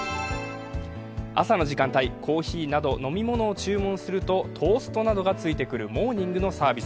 朝の時間帯、コーヒーなど飲み物を注文するとトーストなどがついてくるモーニングのサービス。